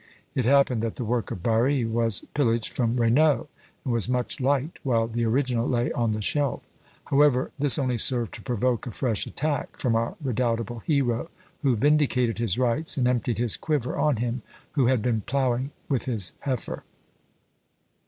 It happened that the work of Barri was pillaged from Raynaud, and was much liked, while the original lay on the shelf. However, this only served to provoke a fresh attack from our redoubtable hero, who vindicated his rights, and emptied his quiver on him who had been ploughing with his heifer.